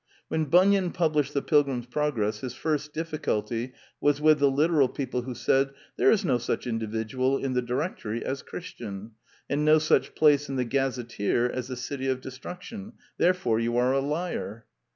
When Bunyan published The Pilgrim's Progress, his first difficulty was with the literal people who said, " There is no such individual in the direc tory as Christian, and no such place in the gazet teer as the City of Destruction: therefore you are a liar."